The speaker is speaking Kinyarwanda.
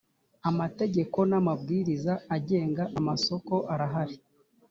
amategeko n’ amabwiriza agenga amasoko arahari.